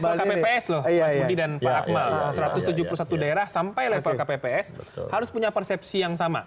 soal kpps loh mas budi dan pak akmal satu ratus tujuh puluh satu daerah sampai level kpps harus punya persepsi yang sama